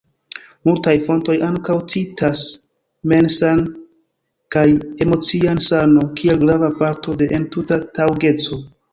Multaj fontoj ankaŭ citas mensan kaj emocian sano kiel grava parto de entuta taŭgeco.